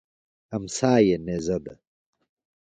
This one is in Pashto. امسا یې نیزه ده.